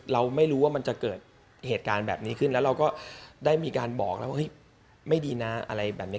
เราไม่รู้ว่ามันจะเกิดเหตุการณ์แบบนี้ขึ้นแล้วเราก็ได้มีการบอกแล้วว่าเฮ้ยไม่ดีนะอะไรแบบนี้